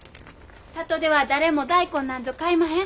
里では誰も大根なんぞ買いまへん。